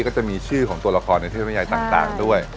ก็จะมีชื่อของตัวละครในเทพวิทยาต่างด้วย